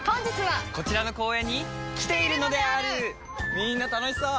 みんな楽しそう！